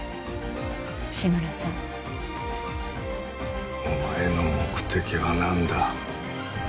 志村さんお前の目的は何だ？